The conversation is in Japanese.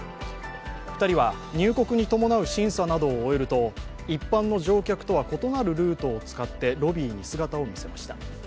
２人は入国に伴う審査などを終えると一般の乗客とは異なるルートを使ってロビーに姿を見せました。